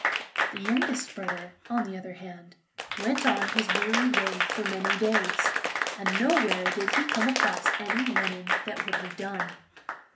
The youngest brother, on the other hand, went on his weary way for many days, and nowhere did he come across any linen that would have done.